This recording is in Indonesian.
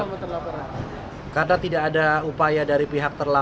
untuk mencari keadilan kita harus mengambil keterangan yang terbaik